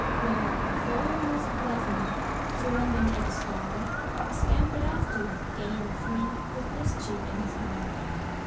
Well, following was pleasant, So, when they made a start, He scampered after, gay and free, With mischief in his heart.